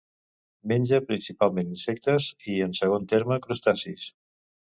Menja principalment insectes i, en segon terme, crustacis.